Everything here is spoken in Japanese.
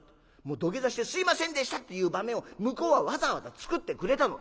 土下座して『すいませんでした』っていう場面を向こうはわざわざ作ってくれたの。